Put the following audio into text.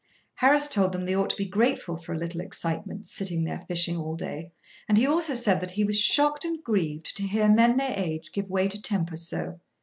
Harris told them they ought to be grateful for a little excitement, sitting there fishing all day, and he also said that he was shocked and grieved to hear men their age give way to temper so.